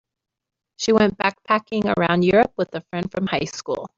She went backpacking around Europe with a friend from high school.